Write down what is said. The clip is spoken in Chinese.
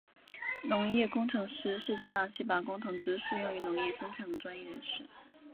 农业工程师是指那些把工程知识用于农业生产的专业人士。